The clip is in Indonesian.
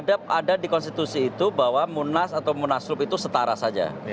ada di konstitusi itu bahwa munas atau munaslup itu setara saja